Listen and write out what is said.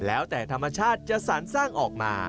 แล้วแต่ธรรมชาติจะสารสร้างออกมา